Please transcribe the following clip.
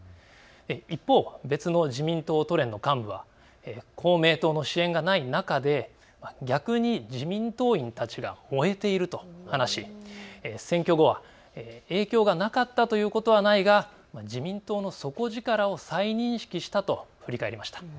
一方、別の自民党都連の幹部は公明党の支援がない中で逆に自民党員たちが燃えていると話し選挙後は影響がなかったということはないが、自民党の底力を再認識したと振り返りました。